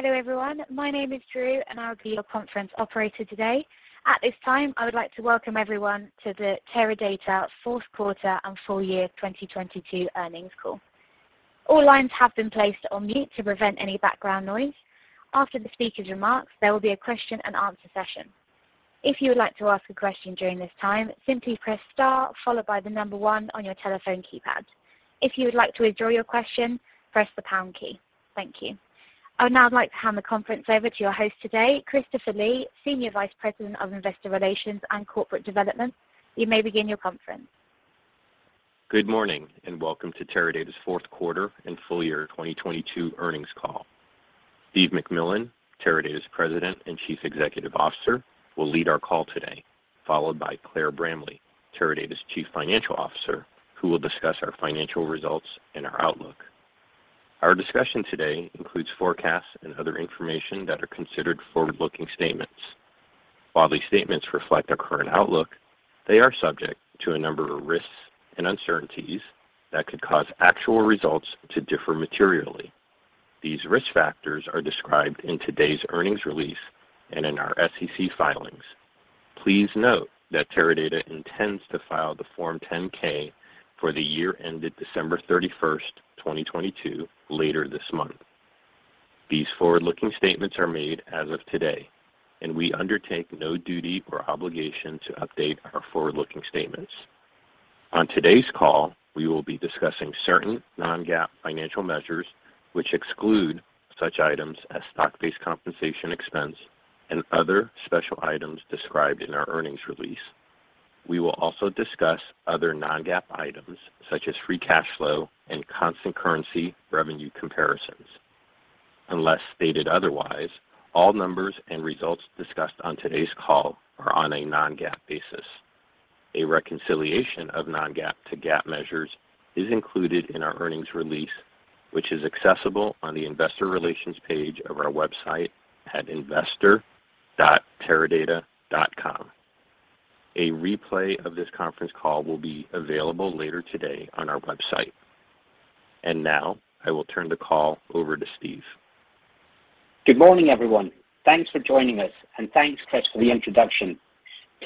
Hello, everyone. My name is Drew, and I'll be your conference operator today. At this time, I would like to welcome everyone to the Teradata fourth quarter and full-year 2022 earnings call. All lines have been placed on mute to prevent any background noise. After the speaker's remarks, there will be a question and answer session. If you would like to ask a question during this time, simply press star followed by one on your telephone keypad. If you would like to withdraw your question, press the pound key. Thank you. I would now like to hand the conference over to your host today, Christopher Lee, Senior Vice President of Investor Relations and Corporate Development. You may begin your conference. Good morning. Welcome to Teradata's fourth quarter and full-year 2022 earnings call. Steve McMillan, Teradata's President and Chief Executive Officer, will lead our call today, followed by Claire Bramley, Teradata's Chief Financial Officer, who will discuss our financial results and our outlook. Our discussion today includes forecasts and other information that are considered forward-looking statements. While these statements reflect our current outlook, they are subject to a number of risks and uncertainties that could cause actual results to differ materially. These risk factors are described in today's earnings release and in our SEC filings. Please note that Teradata intends to file the Form 10-K for the year ended December 31st, 2022, later this month. These forward-looking statements are made as of today. We undertake no duty or obligation to update our forward-looking statements. On today's call, we will be discussing certain non-GAAP financial measures which exclude such items as stock-based compensation expense and other special items described in our earnings release. We will also discuss other non-GAAP items such as free cash flow and constant currency revenue comparisons. Unless stated otherwise, all numbers and results discussed on today's call are on a non-GAAP basis. A reconciliation of non-GAAP to GAAP measures is included in our earnings release, which is accessible on the Investor Relations page of our website at investor.teradata.com. A replay of this conference call will be available later today on our website. Now, I will turn the call over to Steve. Good morning, everyone. Thanks for joining us, thanks, Chris, for the introduction.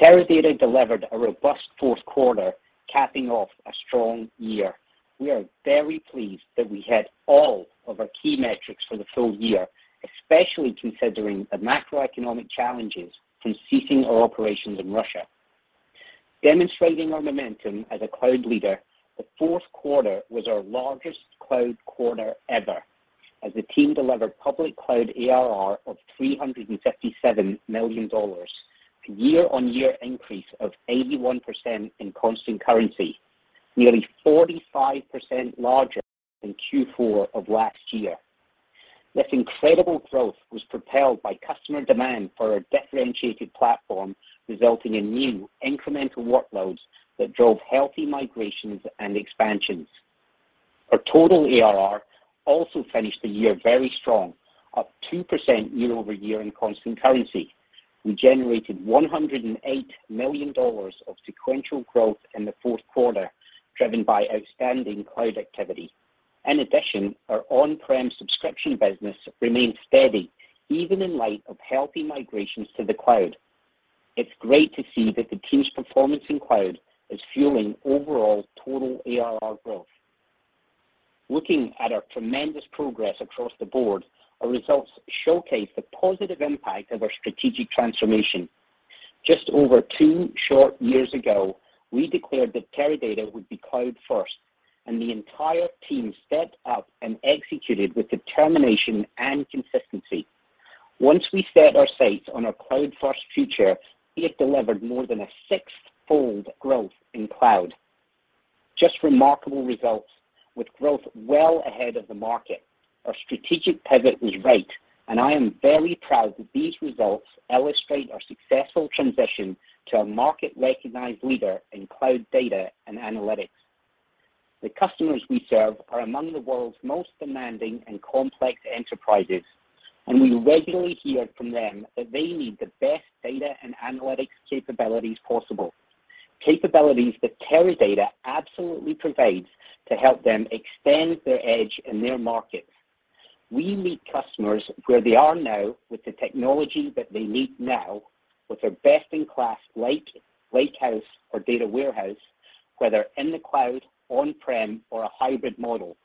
Teradata delivered a robust fourth quarter, capping off a strong year. We are very pleased that we had all of our key metrics for the full-year, especially considering the macroeconomic challenges from ceasing our operations in Russia. Demonstrating our momentum as a cloud leader, the fourth quarter was our largest cloud quarter ever as the team delivered public cloud ARR of $357 million, a year-on-year increase of 81% in constant currency, nearly 45% larger than Q4 of last year. This incredible growth was propelled by customer demand for our differentiated platform, resulting in new incremental workloads that drove healthy migrations and expansions. Our total ARR also finished the year very strong, up 2% year-over-year in constant currency. We generated $108 million of sequential growth in the fourth quarter, driven by outstanding cloud activity. In addition, our on-prem subscription business remained steady even in light of healthy migrations to the cloud. It's great to see that the team's performance in cloud is fueling overall total ARR growth. Looking at our tremendous progress across the board, our results showcase the positive impact of our strategic transformation. Just over two short years ago, we declared that Teradata would be cloud-first, and the entire team stepped up and executed with determination and consistency. Once we set our sights on our cloud-first future, we have delivered more than a six-fold growth in cloud. Just remarkable results with growth well ahead of the market. Our strategic pivot was right, and I am very proud that these results illustrate our successful transition to a market-recognized leader in cloud data and analytics. The customers we serve are among the world's most demanding and complex enterprises, and we regularly hear from them that they need the best data and analytics capabilities possible, capabilities that Teradata absolutely provides to help them extend their edge in their markets. We meet customers where they are now with the technology that they need now with our best-in-class lake, lakehouse, or data warehouse, whether in the cloud, on-prem, or a hybrid model.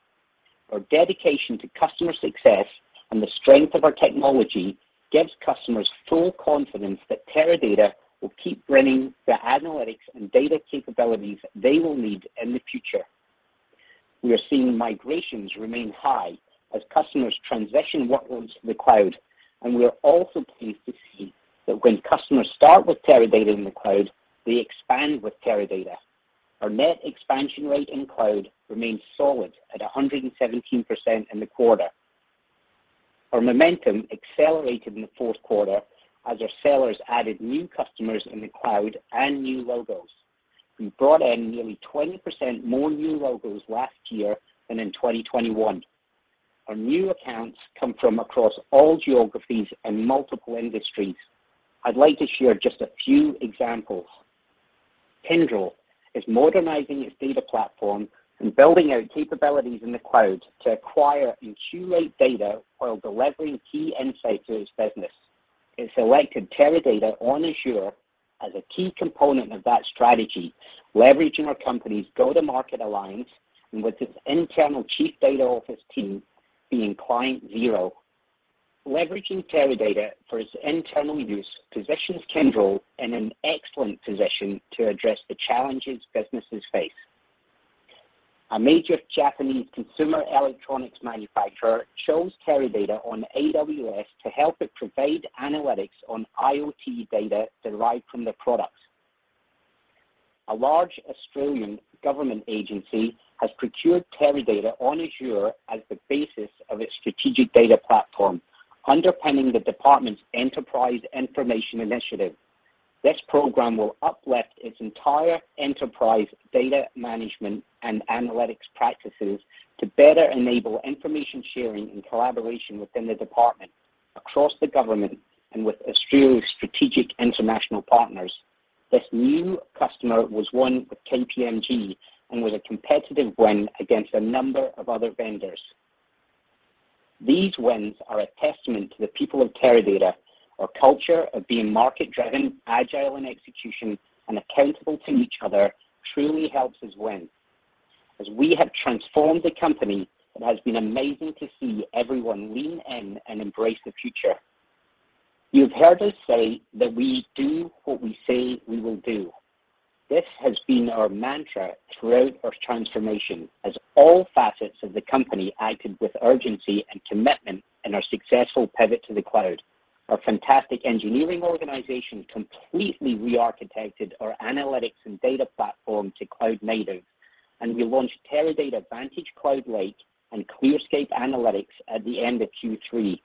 Our dedication to customer success and the strength of our technology gives customers full confidence that Teradata will keep bringing the analytics and data capabilities they will need in the future. We are seeing migrations remain high as customers transition workloads to the cloud. We are also pleased to see that when customers start with Teradata in the cloud, they expand with Teradata. Our net expansion rate in cloud remains solid at 117% in the quarter. Our momentum accelerated in the fourth quarter as our sellers added new customers in the cloud and new logos. We brought in nearly 20% more new logos last year than in 2021. Our new accounts come from across all geographies and multiple industries. I'd like to share just a few examples. Kyndryl is modernizing its data platform and building out capabilities in the cloud to acquire and curate data while delivering key insight to its business. It selected Teradata on Azure as a key component of that strategy, leveraging our company's go-to-market alliance and with its internal chief data office team being client zero. Leveraging Teradata for its internal use positions Kyndryl in an excellent position to address the challenges businesses face. A major Japanese consumer electronics manufacturer chose Teradata on AWS to help it provide analytics on IoT data derived from their products. A large Australian government agency has procured Teradata on Azure as the basis of its strategic data platform, underpinning the department's enterprise information initiative. This program will uplift its entire enterprise data management and analytics practices to better enable information sharing and collaboration within the department, across the government, and with Australia's strategic international partners. This new customer was one with KPMG, and was a competitive win against a number of other vendors. These wins are a testament to the people of Teradata. Our culture of being market-driven, agile in execution, and accountable to each other truly helps us win. As we have transformed the company, it has been amazing to see everyone lean in and embrace the future. You've heard us say that we do what we say we will do. This has been our mantra throughout our transformation as all facets of the company acted with urgency and commitment in our successful pivot to the cloud. Our fantastic engineering organization completely re-architected our analytics and data platform to cloud native, and we launched Teradata VantageCloud Lake and ClearScape Analytics at the end of Q3.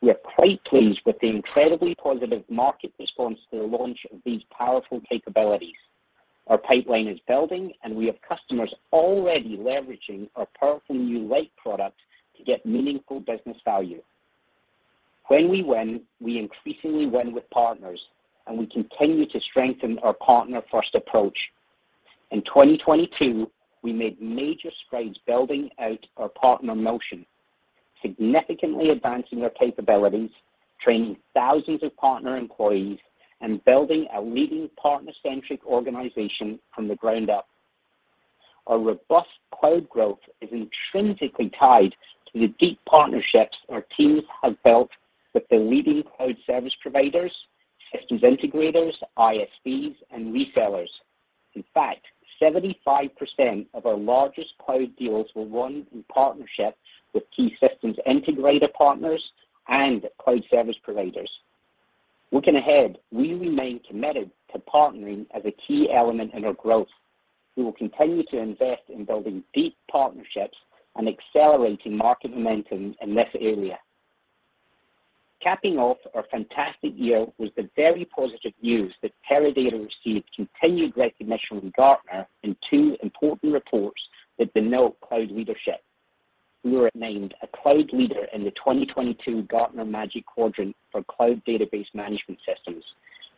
We are quite pleased with the incredibly positive market response to the launch of these powerful capabilities. Our pipeline is building, and we have customers already leveraging our powerful new Lake product to get meaningful business value. When we win, we increasingly win with partners, and we continue to strengthen our partner-first approach. In 2022, we made major strides building out our partner motion, significantly advancing their capabilities, training thousands of partner employees, and building a leading partner-centric organization from the ground up. Our robust cloud growth is intrinsically tied to the deep partnerships our teams have built with the leading cloud service providers, systems integrators, ISVs, and resellers. In fact, 75% of our largest cloud deals were won in partnership with key systems integrator partners and cloud service providers. Looking ahead, we remain committed to partnering as a key element in our growth. We will continue to invest in building deep partnerships and accelerating market momentum in this area. Capping off our fantastic year was the very positive news that Teradata received continued recognition from Gartner in two important reports that denote cloud leadership. We were named a cloud leader in the 2022 Gartner Magic Quadrant for Cloud Database Management Systems.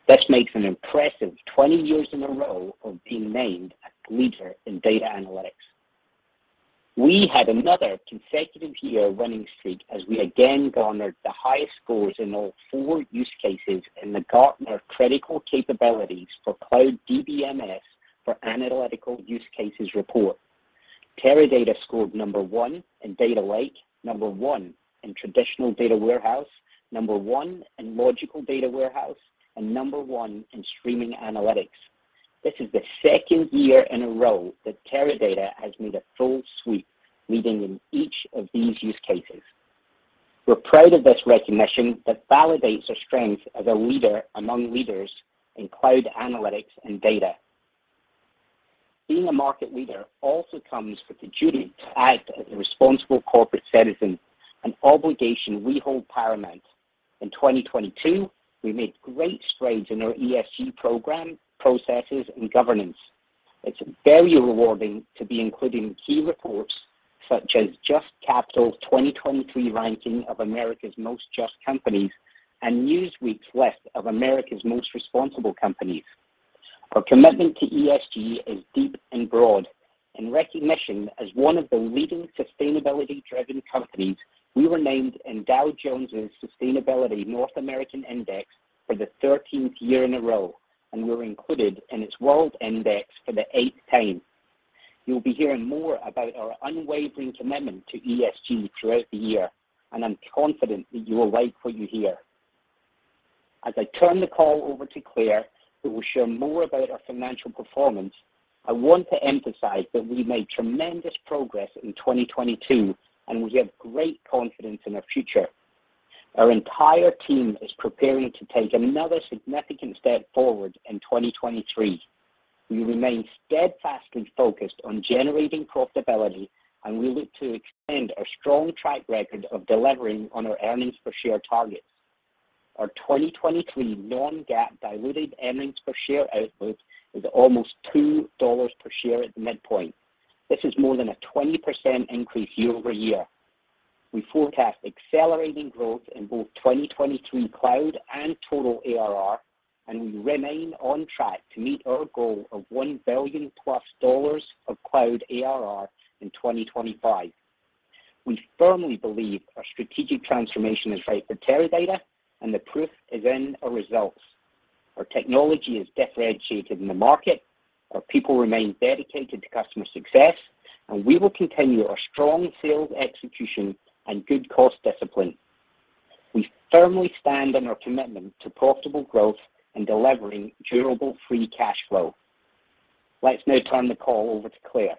This makes an impressive 20 years in a row of being named a leader in data analytics. We had another consecutive year winning streak as we again garnered the highest scores in all four use cases in the Gartner Critical Capabilities for Cloud DBMS for Analytical Use Cases report. Teradata scored number one in Data Lake, number one in Traditional Data Warehouse, number one in Logical Data Warehouse, and number one in Streaming Analytics. This is the second year in a row that Teradata has made a full suite, leading in each of these use cases. We're proud of this recognition that validates our strength as a leader among leaders in cloud analytics and data. Being a market leader also comes with the duty to act as a responsible corporate citizen, an obligation we hold paramount. In 2022, we made great strides in our ESG program, processes, and governance. It's very rewarding to be included in key reports such as Just Capital's 2023 ranking of America's most just companies and Newsweek's list of America's most responsible companies. Our commitment to ESG is deep and broad. In recognition as one of the leading sustainability-driven companies, we were named in Dow Jones Sustainability North America Index for the 13th year in a row, and we're included in its world index for the eighth time. You'll be hearing more about our unwavering commitment to ESG throughout the year. I'm confident that you will like what you hear. As I turn the call over to Claire, who will share more about our financial performance, I want to emphasize that we made tremendous progress in 2022. We have great confidence in our future. Our entire team is preparing to take another significant step forward in 2023. We remain steadfast and focused on generating profitability. We look to extend our strong track record of delivering on our earnings per share targets. Our 2023 non-GAAP diluted earnings per share outlook is almost $2 per share at the midpoint. This is more than a 20% increase year-over-year. We forecast accelerating growth in both 2023 cloud and total ARR, we remain on track to meet our goal of $1 billion plus of cloud ARR in 2025. We firmly believe our strategic transformation is right for Teradata. The proof is in our results. Our technology is differentiated in the market, our people remain dedicated to customer success, we will continue our strong sales execution and good cost discipline. We firmly stand on our commitment to profitable growth and delivering durable free cash flow. Let's now turn the call over to Claire.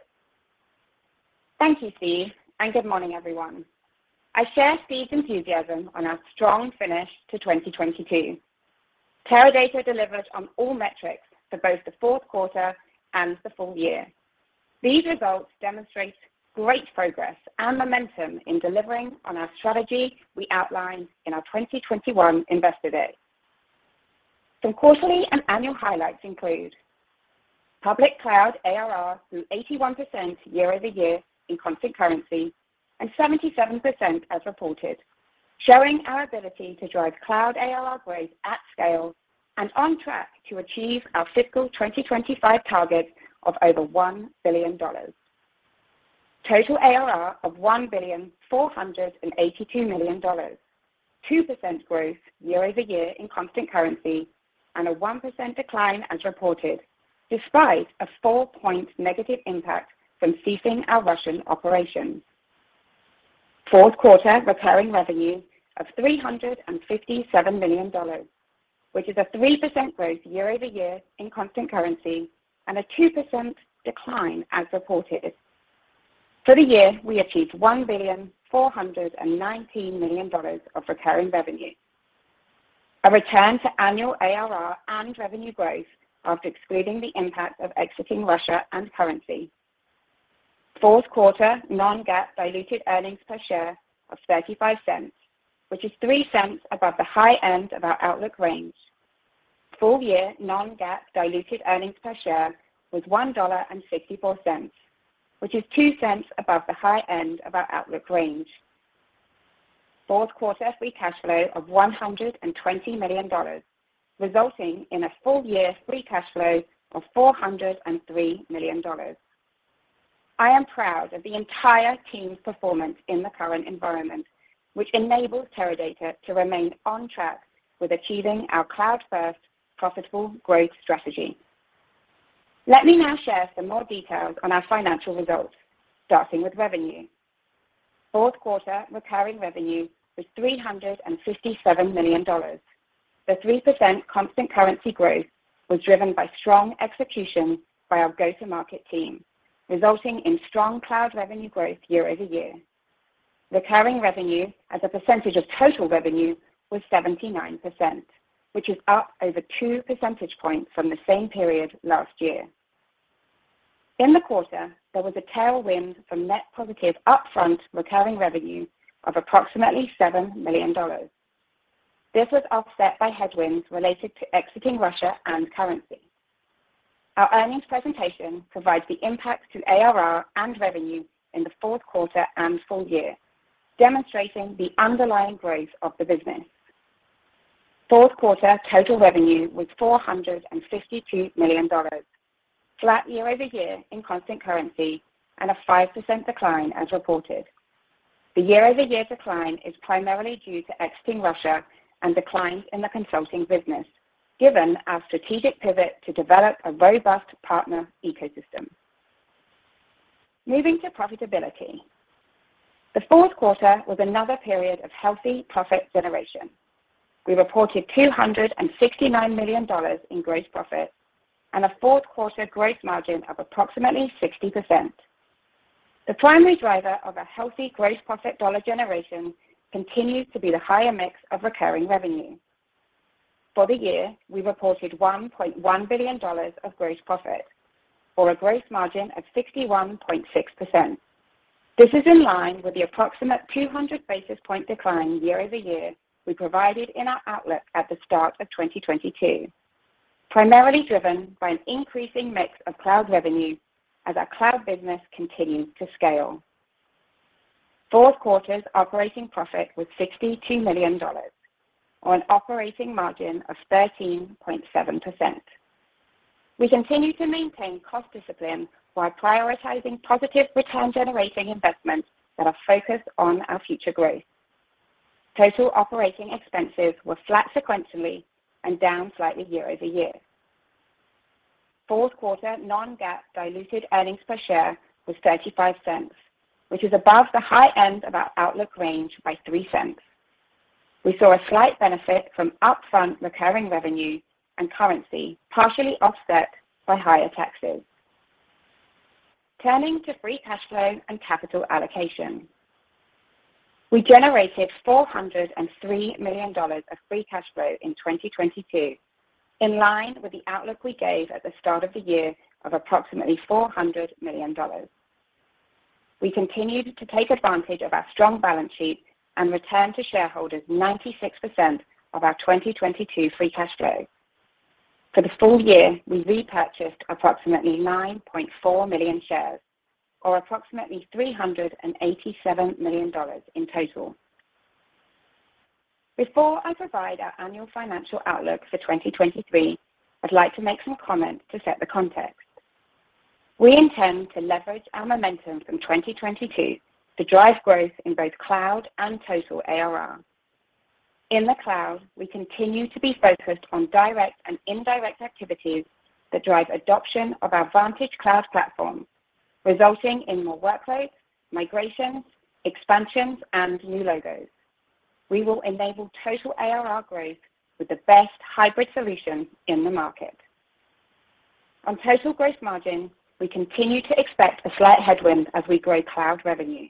Thank you, Steve. Good morning, everyone. I share Steve's enthusiasm on our strong finish to 2022. Teradata delivered on all metrics for both the fourth quarter and the full-year. These results demonstrate great progress and momentum in delivering on our strategy we outlined in our 2021 Investor Day. Some quarterly and annual highlights include public cloud ARR grew 81% year-over-year in constant currency and 77% as reported, showing our ability to drive cloud ARR growth at scale and on track to achieve our fiscal year 2025 target of over $1 billion. Total ARR of $1.482 billion, 2% growth year-over-year in constant currency, and a 1% decline as reported, despite a four-point negative impact from ceasing our Russian operations. Fourth quarter recurring revenue of $357 million, which is a 3% growth year-over-year in constant currency and a 2% decline as reported. For the year, we achieved $1.419 billion of recurring revenue, a return to annual ARR and revenue growth after excluding the impact of exiting Russia and currency. Fourth quarter non-GAAP diluted earnings per share of $0.35, which is $0.03 above the high end of our outlook range. full-year non-GAAP diluted earnings per share was $1.64, which is $0.02 above the high end of our outlook range. Fourth quarter free cash flow of $120 million, resulting in a full-year free cash flow of $403 million. I am proud of the entire team's performance in the current environment, which enables Teradata to remain on track with achieving our cloud-first profitable growth strategy. Let me now share some more details on our financial results, starting with revenue. Fourth quarter recurring revenue was $357 million. The 3% constant currency growth was driven by strong execution by our go-to-market team, resulting in strong cloud revenue growth year-over-year. Recurring revenue as a percentage of total revenue was 79%, which is up over 2 percentage points from the same period last year. In the quarter, there was a tailwind from net positive upfront recurring revenue of approximately $7 million. This was offset by headwinds related to exiting Russia and currency. Our earnings presentation provides the impact to ARR and revenue in the fourth quarter and full-year, demonstrating the underlying growth of the business. Fourth quarter total revenue was $452 million, flat year-over-year in constant currency and a 5% decline as reported. The year-over-year decline is primarily due to exiting Russia and decline in the consulting business, given our strategic pivot to develop a robust partner ecosystem. Moving to profitability. The fourth quarter was another period of healthy profit generation. We reported $269 million in gross profit and a fourth quarter gross margin of approximately 60%. The primary driver of a healthy gross profit dollar generation continues to be the higher mix of recurring revenue. For the year, we reported $1.1 billion of gross profit or a gross margin of 61.6%. This is in line with the approximate 200 basis point decline year-over-year we provided in our outlook at the start of 2022, primarily driven by an increasing mix of cloud revenue as our cloud business continues to scale. Fourth quarter's operating profit was $62 million on an operating margin of 13.7%. We continue to maintain cost discipline while prioritizing positive return-generating investments that are focused on our future growth. Total operating expenses were flat sequentially and down slightly year-over-year. Fourth quarter non-GAAP diluted earnings per share was $0.35, which is above the high end of our outlook range by $0.03. We saw a slight benefit from upfront recurring revenue and currency, partially offset by higher taxes. Turning to free cash flow and capital allocation. We generated $403 million of free cash flow in 2022, in line with the outlook we gave at the start of the year of approximately $400 million. We continued to take advantage of our strong balance sheet and returned to shareholders 96% of our 2022 free cash flow. For the full-year, we repurchased approximately 9.4 million shares or approximately $387 million in total. Before I provide our annual financial outlook for 2023, I'd like to make some comments to set the context. We intend to leverage our momentum from 2022 to drive growth in both cloud and total ARR. In the cloud, we continue to be focused on direct and indirect activities that drive adoption of our VantageCloud platform, resulting in more workloads, migrations, expansions, and new logos. We will enable total ARR growth with the best hybrid solution in the market. On total growth margin, we continue to expect a slight headwind as we grow cloud revenue.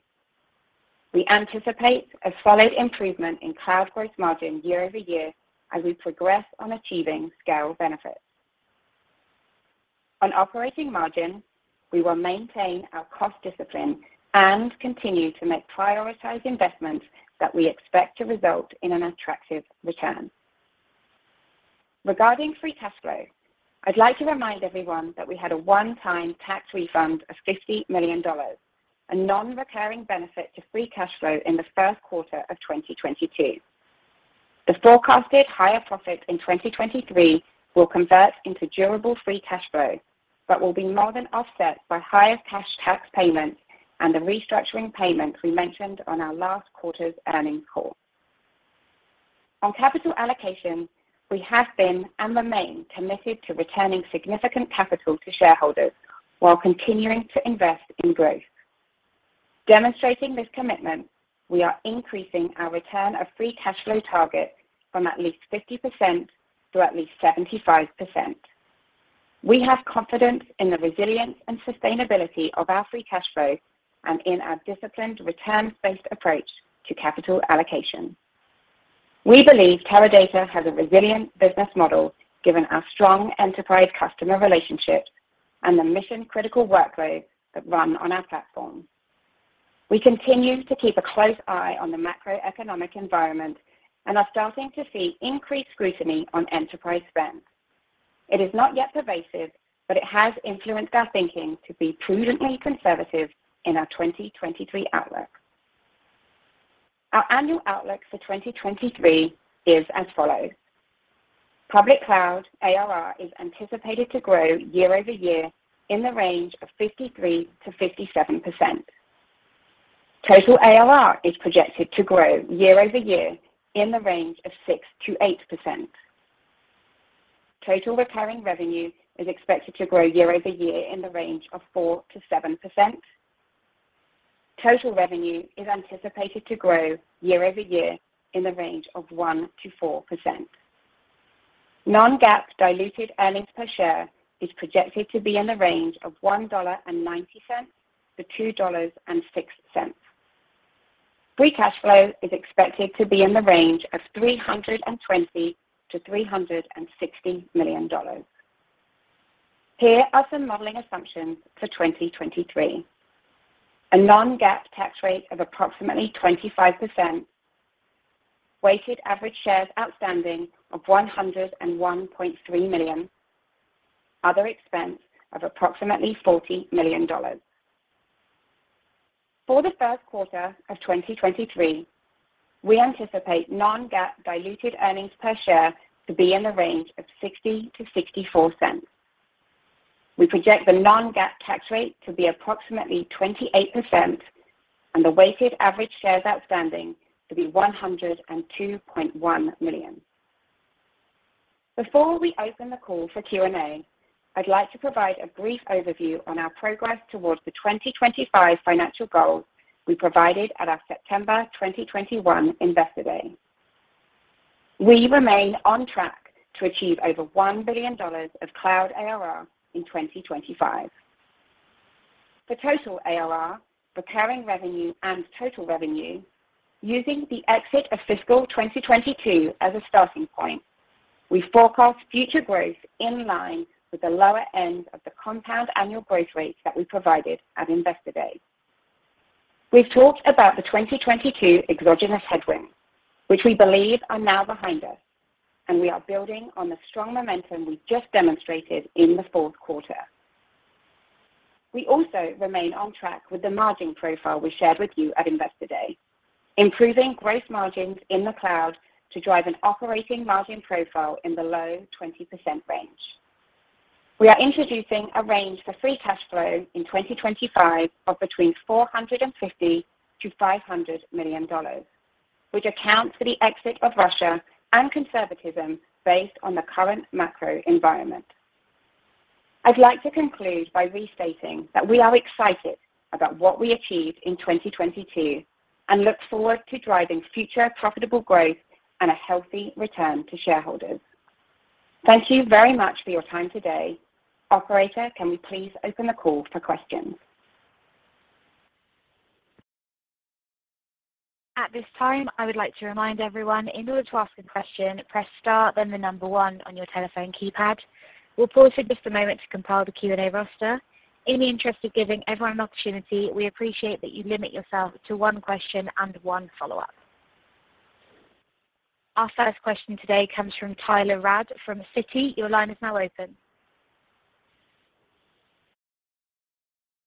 We anticipate a solid improvement in cloud growth margin year-over-year as we progress on achieving scale benefits. On operating margin, we will maintain our cost discipline and continue to make prioritized investments that we expect to result in an attractive return. Regarding free cash flow, I'd like to remind everyone that we had a one-time tax refund of $50 million, a non-recurring benefit to free cash flow in the first quarter of 2022. The forecasted higher profit in 2023 will convert into durable free cash flow, will be more than offset by higher cash tax payments and the restructuring payments we mentioned on our last quarter's earnings call. On capital allocation, we have been and remain committed to returning significant capital to shareholders while continuing to invest in growth. Demonstrating this commitment, we are increasing our return of free cash flow target from at least 50% to at least 75%. We have confidence in the resilience and sustainability of our free cash flow and in our disciplined returns-based approach to capital allocation. We believe Teradata has a resilient business model given our strong enterprise customer relationships and the mission-critical workloads that run on our platform. We continue to keep a close eye on the macroeconomic environment and are starting to see increased scrutiny on enterprise spend. It is not yet pervasive, but it has influenced our thinking to be prudently conservative in our 2023 outlook. Our annual outlook for 2023 is as follows. Public cloud ARR is anticipated to grow year-over-year in the range of 53%-57%. Total ARR is projected to grow year-over-year in the range of 6%-8%. Total recurring revenue is expected to grow year-over-year in the range of 4%-7%. Total revenue is anticipated to grow year-over-year in the range of 1%-4%. Non-GAAP diluted earnings per share is projected to be in the range of $1.90-$2.06. Free cash flow is expected to be in the range of $320 million-$360 million. Here are some modeling assumptions for 2023. A non-GAAP tax rate of approximately 25%. Weighted average shares outstanding of 101.3 million. Other expense of approximately $40 million. For the first quarter of 2023, we anticipate non-GAAP diluted earnings per share to be in the range of $0.60-$0.64. We project the non-GAAP tax rate to be approximately 28% and the weighted average shares outstanding to be 102.1 million. Before we open the call for Q&A, I'd like to provide a brief overview on our progress towards the 2025 financial goals we provided at our September 2021 Investor Day. We remain on track to achieve over $1 billion of cloud ARR in 2025. For total ARR, recurring revenue, and total revenue, using the exit of fiscal year 2022 as a starting point, we forecast future growth in line with the lower end of the compound annual growth rates that we provided at Investor Day. We've talked about the 2022 exogenous headwinds, which we believe are now behind us, and we are building on the strong momentum we just demonstrated in the fourth quarter. We also remain on track with the margin profile we shared with you at Investor Day, improving growth margins in the cloud to drive an operating margin profile in the low 20% range. We are introducing a range for free cash flow in 2025 of between $450 million-$500 million, which accounts for the exit of Russia and conservatism based on the current macro environment. I'd like to conclude by restating that we are excited about what we achieved in 2022 and look forward to driving future profitable growth and a healthy return to shareholders. Thank you very much for your time today. Operator, can we please open the call for questions? At this time, I would like to remind everyone in order to ask a question, press star then the number one on your telephone keypad. We'll pause for just a moment to compile the Q&A roster. In the interest of giving everyone an opportunity, we appreciate that you limit yourself to one question and one follow-up. Our first question today comes from Tyler Radke from Citi. Your line is now open.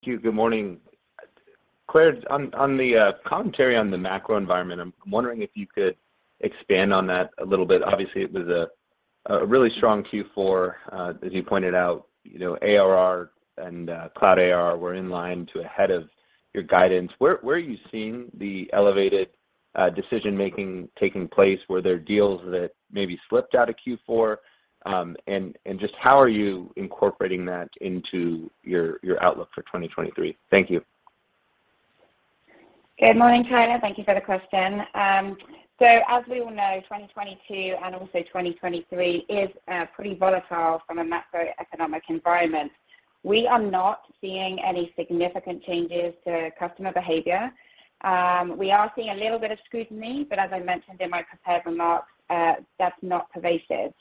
Thank you. Good morning. Claire, on the commentary on the macro environment, I'm wondering if you could expand on that a little bit. Obviously, it was a really strong Q4, as you pointed out. You know, ARR and cloud ARR were in line to ahead of your guidance. Where are you seeing the elevated decision-making taking place? Were there deals that maybe slipped out of Q4? Just how are you incorporating that into your outlook for 2023? Thank you. Good morning, Tyler. Thank you for the question. As we all know, 2022 and also 2023 is pretty volatile from a macroeconomic environment. We are not seeing any significant changes to customer behavior. We are seeing a little bit of scrutiny, as I mentioned in my prepared remarks, that's not pervasive.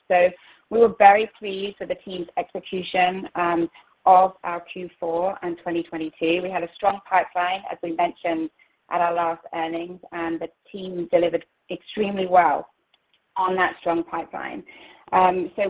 We were very pleased with the team's execution of our Q4 in 2022. We had a strong pipeline, as we mentioned at our last earnings, and the team delivered extremely well on that strong pipeline.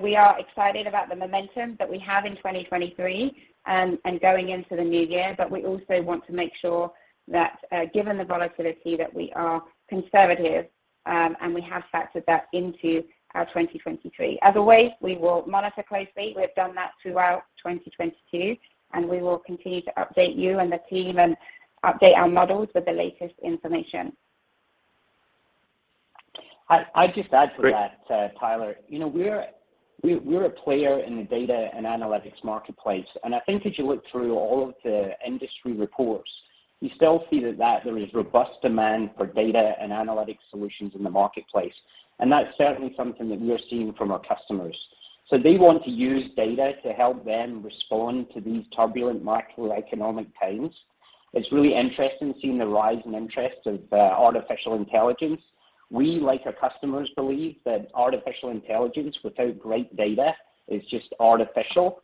We are excited about the momentum that we have in 2023 and going into the new year. We also want to make sure that, given the volatility, that we are conservative and we have factored that into our 2023. As always, we will monitor closely. We've done that throughout 2022, and we will continue to update you and the team and update our models with the latest information. I'd just add to that, Tyler. You know, we're a player in the data and analytics marketplace, and I think as you look through all of the industry reports, you still see that there is robust demand for data and analytics solutions in the marketplace. That's certainly something that we're seeing from our customers. They want to use data to help them respond to these turbulent macroeconomic times. It's really interesting seeing the rise in interest of artificial intelligence. We, like our customers, believe that artificial intelligence without great data is just artificial.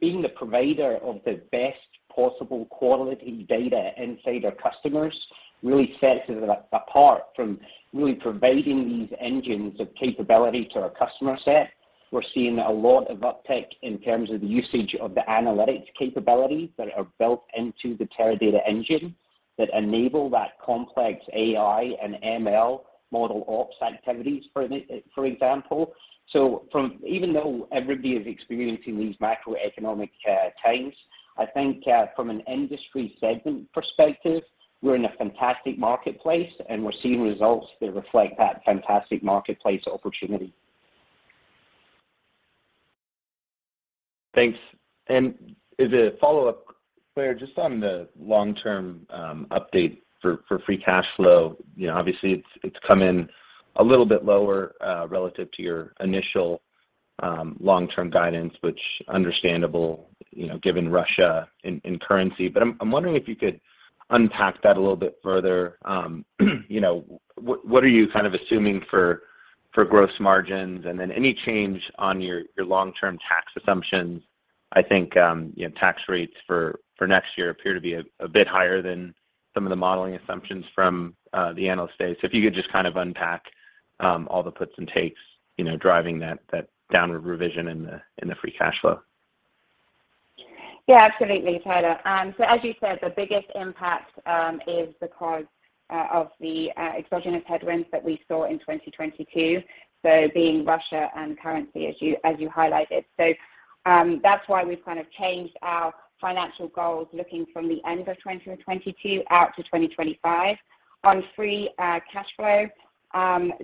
Being the provider of the best possible quality data inside our customers really sets us apart from really providing these engines of capability to our customer set. We're seeing a lot of uptick in terms of the usage of the analytics capabilities that are built into the Teradata engine that enable that complex AI and ML ModelOps activities, for example. Even though everybody is experiencing these macroeconomic times, I think, from an industry segment perspective, we're in a fantastic marketplace, and we're seeing results that reflect that fantastic marketplace opportunity. Thanks. As a follow-up, Claire, just on the long-term update for free cash flow, you know, obviously it's come in a little bit lower relative to your initial long-term guidance, which understandable, you know, given Russia and currency. I'm wondering if you could unpack that a little bit further. You know, what are you kind of assuming for gross margins? Then any change on your long-term tax assumptions. I think, you know, tax rates for next year appear to be a bit higher than some of the modeling assumptions from the analyst days. If you could just kind of unpack all the puts and takes, you know, driving that downward revision in the free cash flow. Yeah, absolutely, Tyler. As you said, the biggest impact is because of the exogenous headwinds that we saw in 2022, so being Russia and currency as you highlighted. That's why we've kind of changed our financial goals looking from the end of 2022 out to 2025. On free cash flow,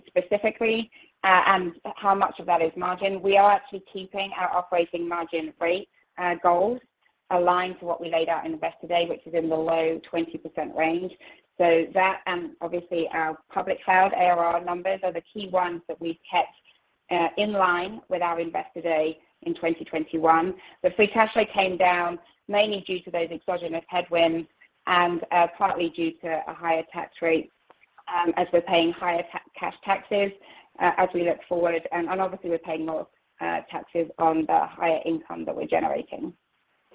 specifically, and how much of that is margin, we are actually keeping our operating margin rate goals aligned to what we laid out in Investor Day, which is in the low 20% range. That and obviously our public cloud ARR numbers are the key ones that we've kept in line with our Investor Day in 2021. The free cash flow came down mainly due to those exogenous headwinds and partly due to a higher tax rate, as we're paying higher cash taxes as we look forward, and obviously we're paying more taxes on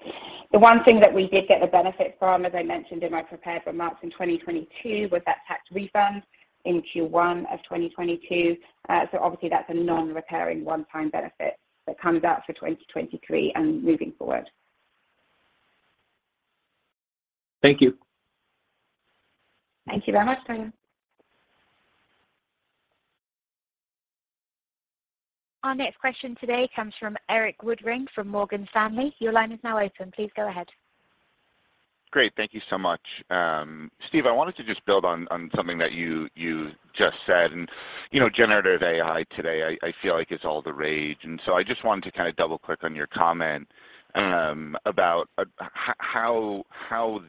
the higher income that we're generating. The one thing that we did get the benefit from, as I mentioned in my prepared remarks, in 2022 was that tax refund in Q1 of 2022. Obviously that's a non-recurring one-time benefit that comes out for 2023 and moving forward. Thank you. Thank you very much, Tyler. Our next question today comes from Erik Woodring from Morgan Stanley. Your line is now open. Please go ahead. Great. Thank you so much. Steve, I wanted to just build on something that you just said. You know, generative AI today I feel like is all the rage, I just wanted to kind of double-click on your comment about how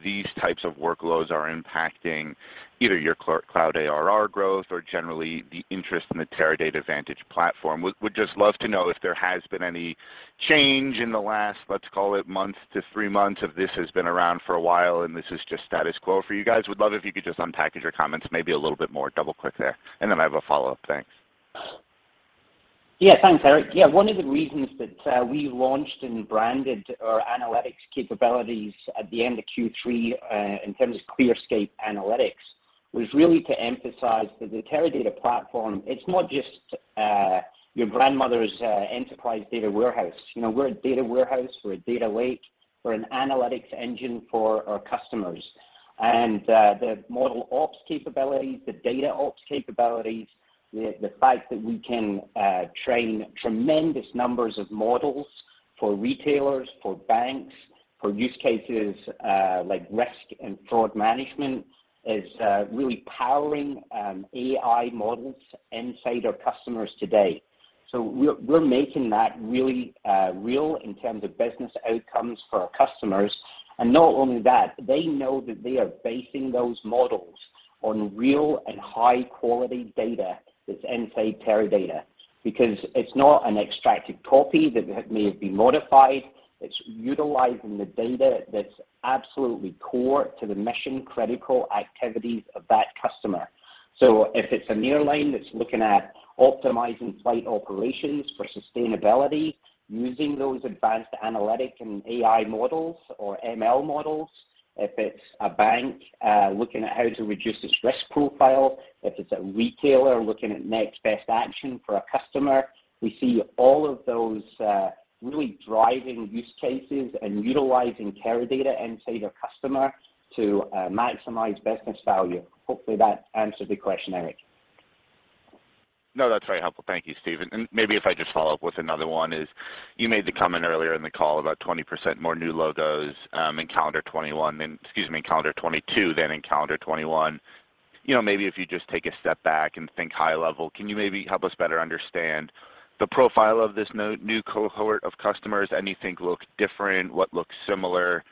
these types of workloads are impacting either your cloud ARR growth or generally the interest in the Teradata Vantage platform. Would just love to know if there has been any change in the last, let's call it month to three months, if this has been around for a while, and this is just status quo for you guys. Would love if you could just unpackage your comments maybe a little bit more, double-click there. Then I have a follow-up. Thanks. Thanks, Erik. One of the reasons that we launched and branded our analytics capabilities at the end of Q3 in terms of ClearScape Analytics was really to emphasize that the Teradata platform, it's not just your grandmother's enterprise data warehouse. You know, we're a data warehouse. We're a Data Lake. We're an analytics engine for our customers. The ModelOps capabilities, the DataOps capabilities, the fact that we can train tremendous numbers of models for retailers, for banks, for use cases like risk and fraud management is really powering AI models inside our customers today. We're making that really real in terms of business outcomes for our customers. Not only that, they know that they are basing those models on real and high-quality data that's inside Teradata because it's not an extracted copy that may have been modified. It's utilizing the data that's absolutely core to the mission-critical activities of that customer. If it's an airline that's looking at optimizing flight operations for sustainability using those advanced analytic and AI models or ML models, if it's a bank looking at how to reduce its risk profile, if it's a retailer looking at next best action for a customer, we see all of those really driving use cases and utilizing Teradata inside a customer to maximize business value. Hopefully that answered the question, Erik. No, that's very helpful. Thank you, Steve. Maybe if I just follow up with another one is you made the comment earlier in the call about 20% more new logos in calendar 2021 than excuse me, calendar 2022 than in calendar 2021. You know, maybe if you just take a step back and think high level, can you maybe help us better understand the profile of this no-new cohort of customers? Anything look different? What looks similar?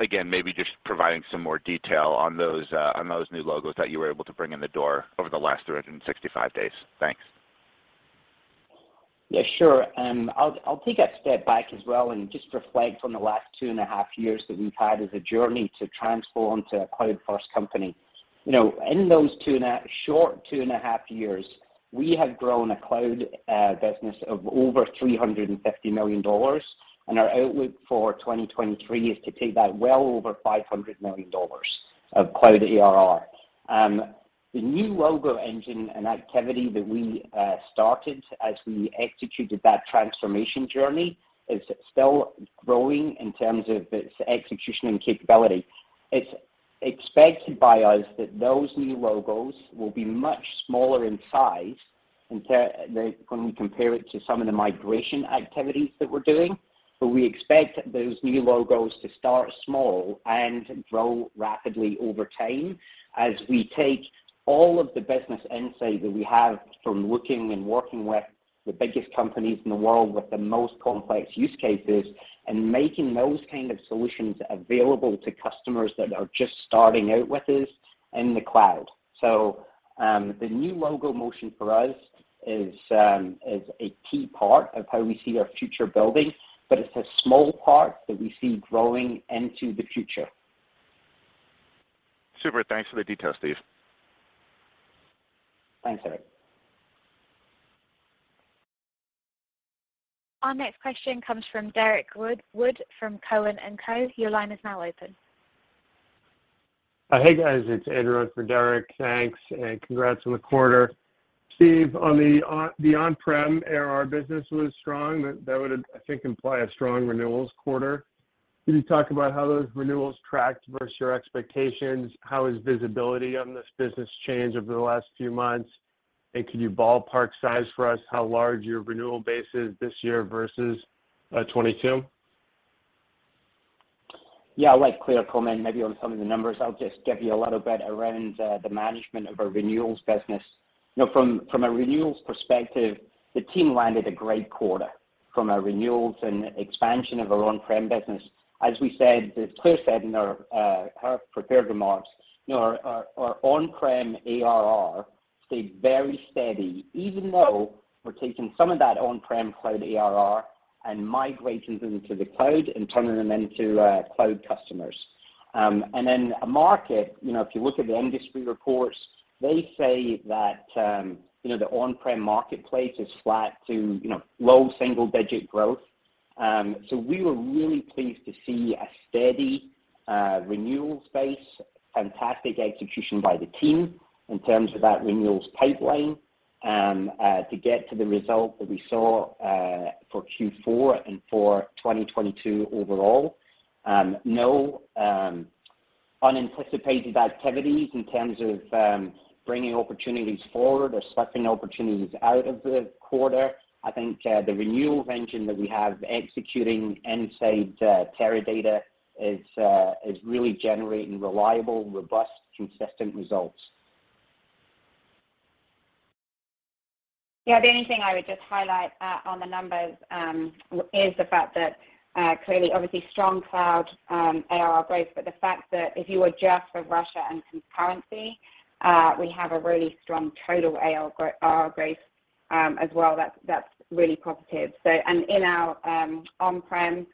Again, maybe just providing some more detail on those on those new logos that you were able to bring in the door over the last 365 days. Thanks. Sure. I'll take a step back as well and just reflect on the last 2.5 years that we've had as a journey to transform to a cloud-first company. You know, in those short 2.5 years, we have grown a cloud business of over $350 million, our outlook for 2023 is to take that well over $500 million of cloud ARR. The new logo engine and activity that we started as we executed that transformation journey is still growing in terms of its execution and capability. It's expected by us that those new logos will be much smaller in size than when we compare it to some of the migration activities that we're doing. We expect those new logos to start small and grow rapidly over time as we take all of the business insight that we have from looking and working with the biggest companies in the world with the most complex use cases and making those kind of solutions available to customers that are just starting out with us in the cloud. The new logo motion for us is a key part of how we see our future building, but it's a small part that we see growing into the future. Super. Thanks for the details, Steve. Thanks, Erik. Our next question comes from Derrick Wood from Cowen & Co. Your line is now open. Hey, guys. It's Edward for Derrick. Thanks, and congrats on the quarter. Steve, on the on-prem ARR business was strong. That would, I think, imply a strong renewals quarter. Can you talk about how those renewals tracked versus your expectations? How has visibility on this business changed over the last few months? Could you ballpark size for us how large your renewal base is this year versus 2022? Yeah. I'll let Claire comment maybe on some of the numbers. I'll just give you a little bit around the management of our renewals business. You know, from a renewals perspective, the team landed a great quarter from a renewals and expansion of our on-prem business. As we said, as Claire said in her prepared remarks, you know, our on-prem ARR stayed very steady even though we're taking some of that on-prem cloud ARR and migrating them into the cloud and turning them into cloud customers. Then a market, you know, if you look at the industry reports, they say that, you know, the on-prem marketplace is flat to, you know, low single-digit growth. We were really pleased to see a steady renewal space, fantastic execution by the team in terms of that renewals pipeline to get to the result that we saw for Q4 and for 2022 overall. No unanticipated activities in terms of bringing opportunities forward or sucking opportunities out of the quarter. I think the renewals engine that we have executing inside Teradata is really generating reliable, robust, consistent results. Yeah. The only thing I would just highlight on the numbers is the fact that clearly, obviously strong cloud ARR growth, but the fact that if you adjust for Russia and currency, we have a really strong total ARR growth as well. That's really positive. In our on-prem,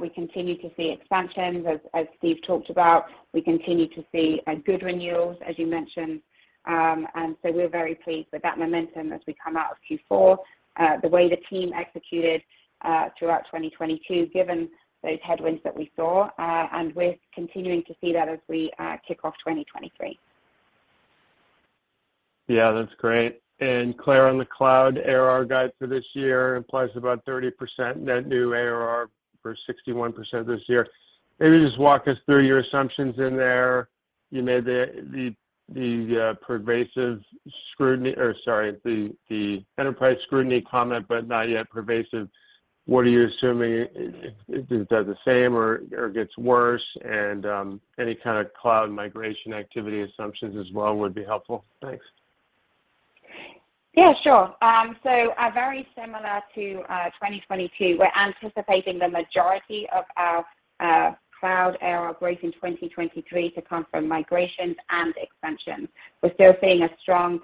we continue to see expansions, as Steve talked about. We continue to see good renewals, as you mentioned. We're very pleased with that momentum as we come out of Q4, the way the team executed throughout 2022, given those headwinds that we saw, and we're continuing to see that as we kick off 2023. Yeah, that's great. Claire, on the cloud ARR guide for this year implies about 30% net new ARR for 61% this year. Maybe just walk us through your assumptions in there. You made the enterprise scrutiny comment, but not yet pervasive. What are you assuming? If it does the same or it gets worse, and any kind of cloud migration activity assumptions as well would be helpful. Thanks. Yeah, sure. Very similar to 2022, we're anticipating the majority of our cloud ARR growth in 2023 to come from migrations and expansions. We're still seeing a strong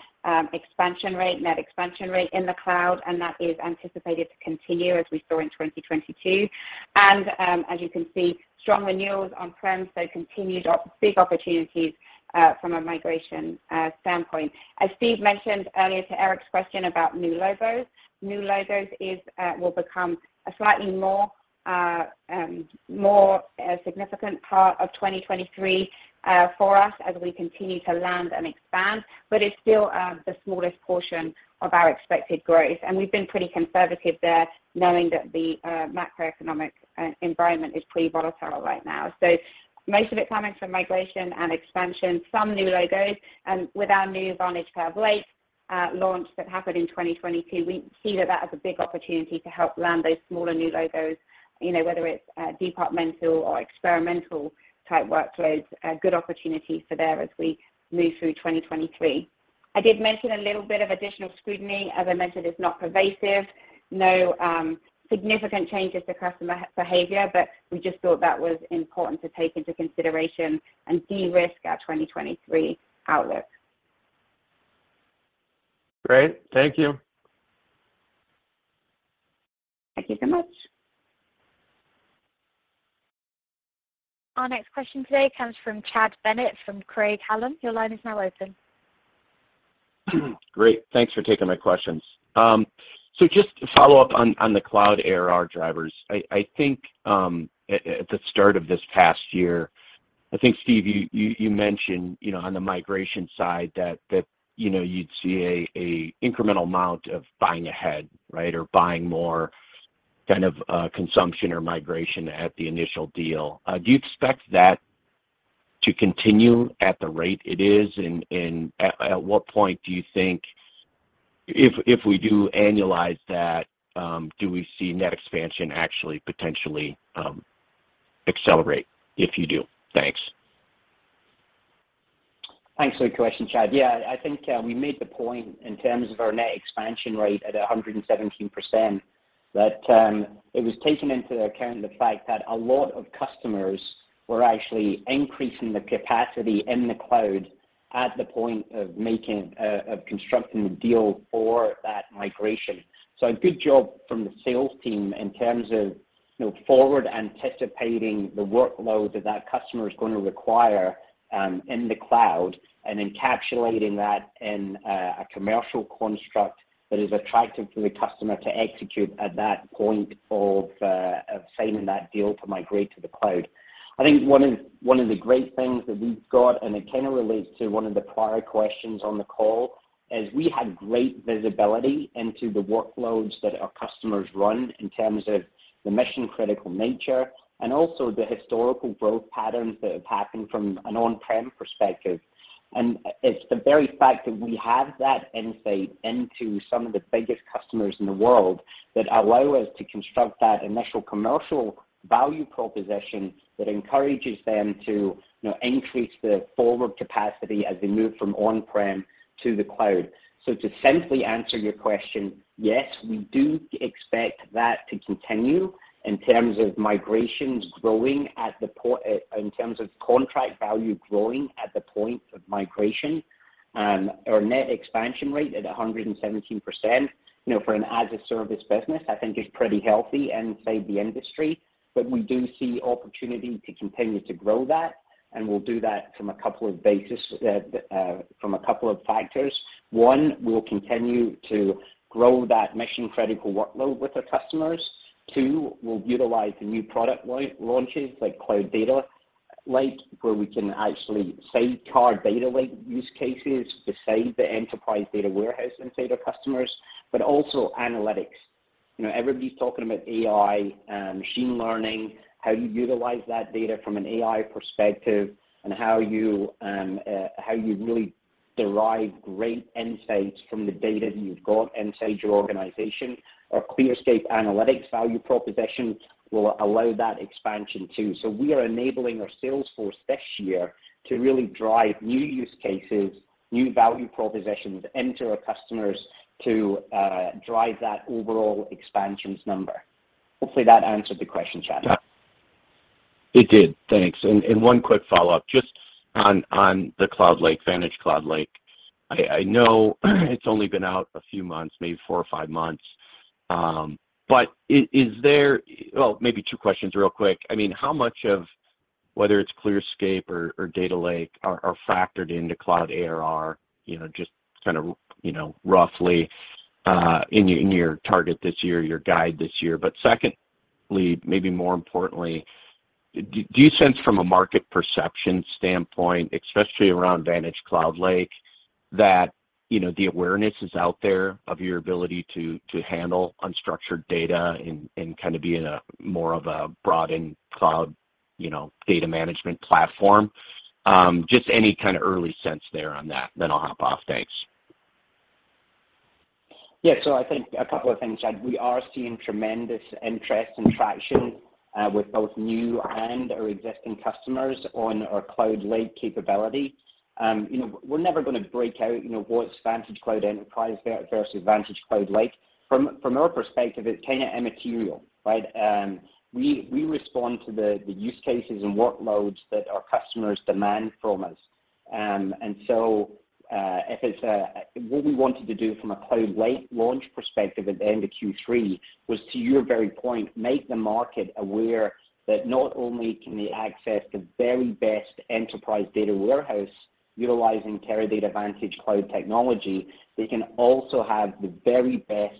expansion rate, net expansion rate in the cloud, and that is anticipated to continue as we saw in 2022. As you can see, strong renewals on-prem, so continued big opportunities from a migration standpoint. As Steve mentioned earlier to Erik's question about new logos, new logos is will become a slightly more more significant part of 2023 for us as we continue to land and expand. It's still the smallest portion of our expected growth. We've been pretty conservative there, knowing that the macroeconomic environment is pretty volatile right now. Most of it coming from migration and expansion, some new logos. With our new VantageCloud Lake, launch that happened in 2022, we see that that is a big opportunity to help land those smaller new logos, you know, whether it's departmental or experimental type workloads, a good opportunity for there as we move through 2023. I did mention a little bit of additional scrutiny. I mentioned, it's not pervasive, no significant changes to customer behavior, but we just thought that was important to take into consideration and de-risk our 2023 outlook. Great. Thank you. Thank you so much. Our next question today comes from Chad Bennett from Craig-Hallum. Your line is now open. Great. Thanks for taking my questions. Just to follow up on the cloud ARR drivers. I think, at the start of this past year, I think, Steve, you mentioned, you know, on the migration side that, you know, you'd see a incremental amount of buying ahead, right, buying more kind of consumption or migration at the initial deal. Do you expect that to continue at the rate it is? At what point do you think if we do annualize that, do we see net expansion actually potentially accelerate, if you do? Thanks. Thanks for your question, Chad. I think we made the point in terms of our net expansion rate at 117% that it was taking into account the fact that a lot of customers were actually increasing the capacity in the cloud at the point of constructing the deal for that migration. A good job from the sales team in terms of, you know, forward anticipating the workload that customer is gonna require in the cloud, and encapsulating that in a commercial construct that is attractive for the customer to execute at that point of signing that deal to migrate to the cloud. I think one of the great things that we've got, it kind of relates to one of the prior questions on the call, is we had great visibility into the workloads that our customers run in terms of the mission-critical nature and also the historical growth patterns that have happened from an on-prem perspective. It's the very fact that we have that insight into some of the biggest customers in the world that allow us to construct that initial commercial value proposition that encourages them to, you know, increase the forward capacity as they move from on-prem to the cloud. To simply answer your question, yes, we do expect that to continue in terms of contract value growing at the point of migration. Our net expansion rate at 117%, you know, for an as a service business, I think is pretty healthy inside the industry. We do see opportunity to continue to grow that, and we'll do that from a couple of basis, from a couple of factors. One, we'll continue to grow that mission-critical workload with our customers. Two, we'll utilize the new product launches like Cloud Data Lake, where we can actually save card Data Lake use cases to save the enterprise data warehouse inside our customers, but also analytics. You know, everybody's talking about AI, machine learning, how you utilize that data from an AI perspective, and how you really derive great insights from the data that you've got inside your organization. Our ClearScape Analytics value proposition will allow that expansion too. We are enabling our sales force this year to really drive new use cases, new value propositions into our customers to drive that overall expansions number. Hopefully that answered the question, Chad. It did. Thanks. One quick follow-up just on the Cloud Lake, VantageCloud Lake. I know it's only been out a few months, maybe four or five months. Well, maybe two questions real quick. I mean, how much of whether it's ClearScape or Data Lake are factored into cloud ARR, you know, just kind of, you know, roughly, in your target this year, your guide this year. Secondly, maybe more importantly, Do you sense from a market perception standpoint, especially around VantageCloud Lake, that, you know, the awareness is out there of your ability to handle unstructured data and kind of be in a more of a broadened cloud, you know, data management platform? Just any kind of early sense there on that, then I'll hop off. Thanks. Yeah. I think a couple of things, Chad. We are seeing tremendous interest and traction with both new and our existing customers on our Cloud Lake capability. you know, we're never gonna break out, you know, what's VantageCloud Enterprise versus VantageCloud Lake. From our perspective, it's kind of immaterial, right? we respond to the use cases and workloads that our customers demand from us. What we wanted to do from a Cloud Lake launch perspective at the end of Q3 was, to your very point, make the market aware that not only can they access the very best enterprise data warehouse utilizing Teradata VantageCloud technology, they can also have the very best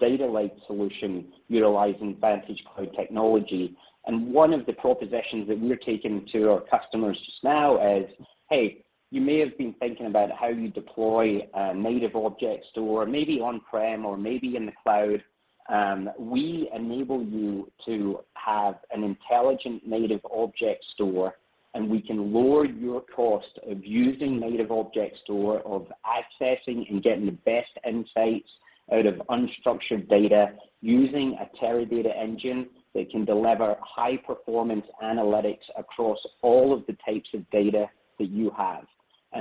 data lake solution utilizing VantageCloud technology. One of the propositions that we're taking to our customers now is, "Hey, you may have been thinking about how you deploy a native object store maybe on-prem or maybe in the cloud. We enable you to have an intelligent native object store, and we can lower your cost of using native object store of accessing and getting the best insights out of unstructured data using a Teradata engine that can deliver high performance analytics across all of the types of data that you have."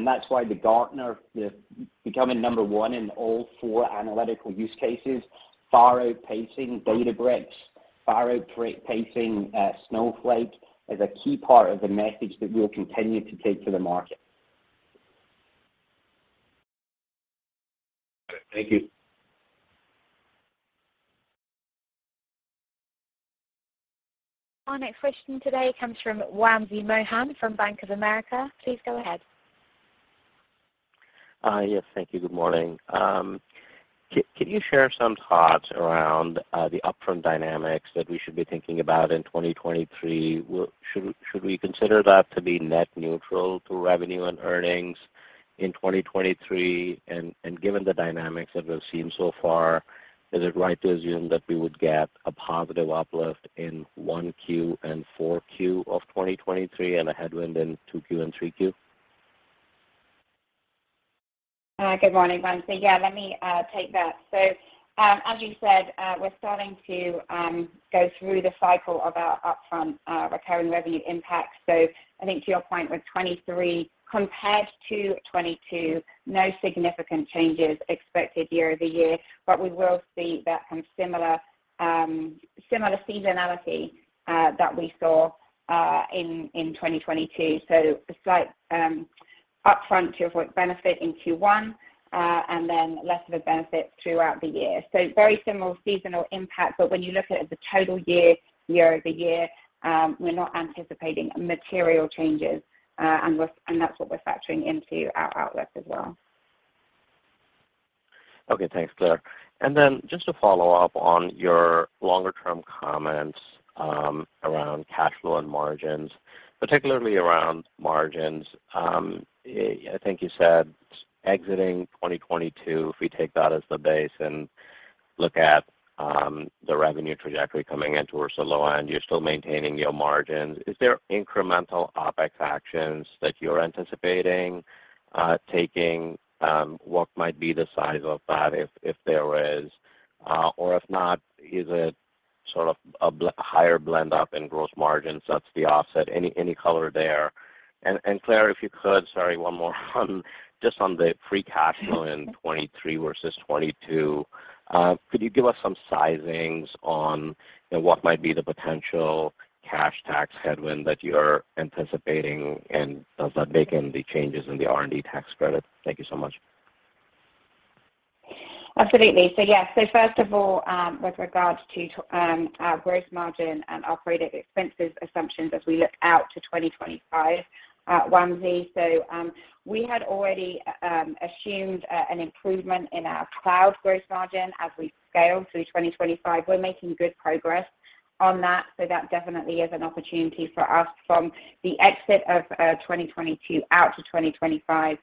That's why the Gartner, the becoming number one in all four analytical use cases, far outpacing Databricks, far outpacing Snowflake, is a key part of the message that we'll continue to take to the market. Thank you. Our next question today comes from Wamsi Mohan from Bank of America. Please go ahead. Yes. Thank you. Good morning. Can you share some thoughts around the upfront dynamics that we should be thinking about in 2023? Should we consider that to be net neutral to revenue and earnings in 2023? Given the dynamics that we've seen so far, is it right to assume that we would get a positive uplift in 1Q and 4Q of 2023 and a headwind in 2Q and 3Q? Good morning, Wamsi. Yeah, let me take that. As you said, we're starting to go through the cycle of our upfront recurring revenue impact. I think to your point with 2023 compared to 2022, no significant changes expected year-over-year, but we will see that kind of similar seasonality that we saw in 2022. A slight upfront benefit in Q1 and then less of a benefit throughout the year. Very similar seasonal impact, but when you look at it as a total year-over-year, we're not anticipating material changes, and that's what we're factoring into our outlook as well. Okay. Thanks, Claire. Then just to follow up on your longer term comments, around cash flow and margins, particularly around margins. I think you said exiting 2022, if we take that as the base and look at, the revenue trajectory coming in towards the lower end, and you're still maintaining your margins. Is there incremental OpEx actions that you're anticipating, taking? What might be the size of that if there is? Or if not, is it sort of a higher blend up in gross margins that's the offset? Any, any color there? Claire, if you could, sorry, one more. Just on the free cash flow in 2023 versus 2022, could you give us some sizings on, you know, what might be the potential cash tax headwind that you're anticipating, and does that bake in the changes in the R&D tax credit? Thank you so much. Absolutely. Yes. First of all, with regards to our gross margin and operating expenses assumptions as we look out to 2025, Wamsi. We had already assumed an improvement in our cloud gross margin as we scale through 2025. We're making good progress on that, so that definitely is an opportunity for us from the exit of 2022 out to 2025,